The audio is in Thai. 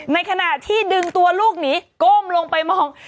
ในขณะที่ดึงตัวลูกหนีก้มลงไปมอง